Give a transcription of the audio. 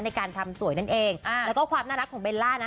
ในการทำสวยนั่นเองอ่าแล้วก็ความน่ารักของเบลล่านะ